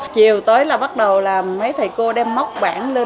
chiều tới là bắt đầu là mấy thầy cô đem móc bảng lên